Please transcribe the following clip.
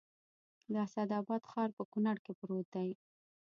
د اسداباد ښار په کونړ کې پروت دی